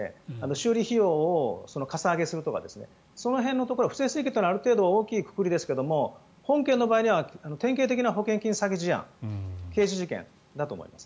修理費用をかさ上げするとかその辺のところ不正請求といううのはある程度大きいくくりですが本件の場合は点検的な保険金詐欺事案刑事事件だと思います。